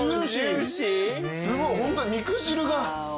すごいホント肉汁が。